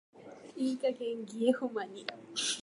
いい加減偽絵保マニ。